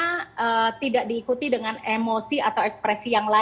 surrender bukan artinya tidak diikuti dengan emosi atau ekspresi yang lain